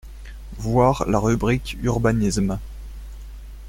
Voir la rubrique urbanisme.